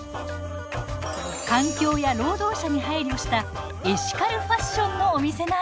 環境や労働者に配慮したエシカルファッションのお店なんです。